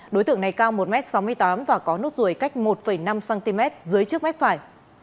đối tượng này cao một m sáu mươi tám và có nốt ruồi cách một năm cm dưới trước mép phải